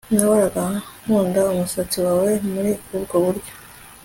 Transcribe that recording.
Nahoraga nkunda umusatsi wawe muri ubwo buryo